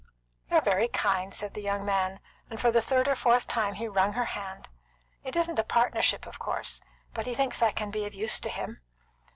"You're very kind," said the young man, and for the third or fourth time he wrung her hand. "It isn't a partnership, of course; but he thinks I can be of use to him."